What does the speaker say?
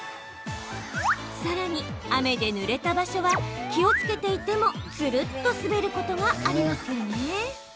さらに、雨でぬれた場所は気をつけていてもツルっと滑ることがありますよね。